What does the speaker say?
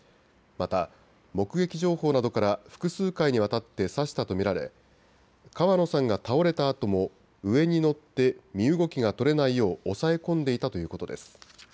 また目撃情報などから複数回にわたって刺したと見られ、川野さんが倒れたあとも上に乗って身動きが取れないよう押さえ込んでいたということです。